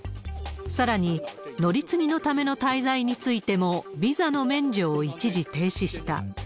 さらに、乗り継ぎのための滞在についても、ビザの免除を一時停止した。